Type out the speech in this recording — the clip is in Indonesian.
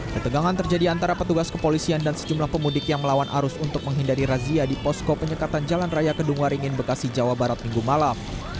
ketegangan terjadi antara petugas kepolisian dan sejumlah pemudik yang melawan arus untuk menghindari razia di posko penyekatan jalan raya kedung waringin bekasi jawa barat minggu malam